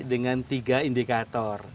dengan tiga indikator